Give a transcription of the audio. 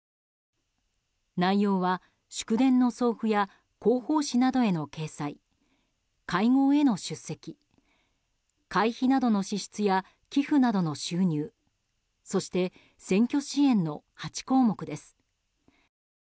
内容は、祝電の送付や広報誌などへの掲載会合への出席会費などの支出や寄付などの収入そして、選挙支援の８項目です。